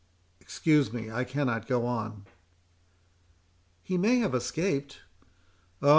Excuse me—I cannot go on." "He may have escaped." "Oh!